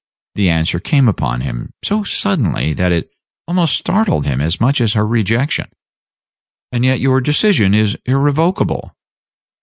The answer came upon him so suddenly that it almost startled him as much as her rejection. "And yet your decision is irrevocable?"